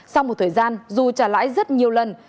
sau một thời gian dù trả lãi rất nhiều lần